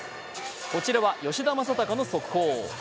こちらは吉田正尚の速報。